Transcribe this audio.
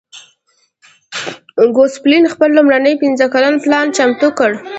ګوسپلن خپل لومړنی پنځه کلن پلان چمتو کړ